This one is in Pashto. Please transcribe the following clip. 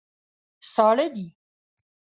ساړه دي.